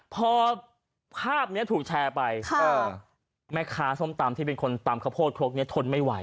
พอภาพนี้ถูกแชร์ไปแม่ค้าส้มตำที่เป็นคนตำข้าวโพดครกนี้ทนไม่ไหว